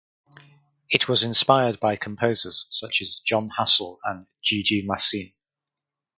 It was inspired by composers such as Jon Hassel and Gigi Masin.